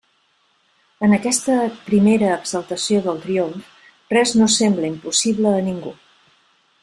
En aquesta primera exaltació del triomf, res no sembla impossible a ningú.